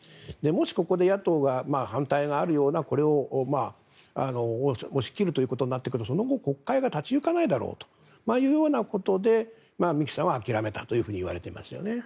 もしここで野党から反対があるような押し切ることになってくるとその後、国会が立ち行かないだろうというようなことで三木さんは諦めたといわれていますね。